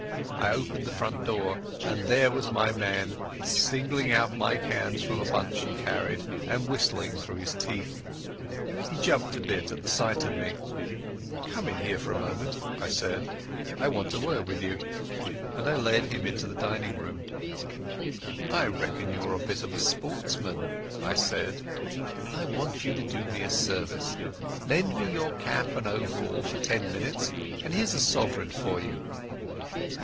I opened the front door, and there was my man, singling out my cans from a bunch he carried and whistling through his teeth. He jumped a bit at the sight of me. "Come in here a moment," I said. "I want a word with you." And I led him into the dining room. "I reckon you're a bit of a sportsman," I said, "and I want you to do me a service. Lend me your cap and overall for ten minutes, and here's a sovereign for you."